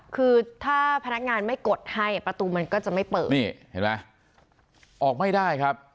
คือถ้าพนักงานไม่กดให้ประตูมันก็จะไม่เปิดนี่เห็นไหมออกไม่ได้ครับ